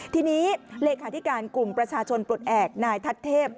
ทีนี้เลขาธิการกลุ่มประชาชนปลดแอบนายทัศเทพ